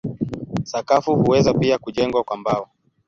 Sakafu huweza pia kujengwa kwa mbao.